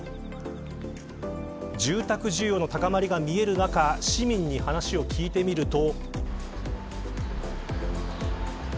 住宅需要の高まりが見える中市民に話を聞いてみると。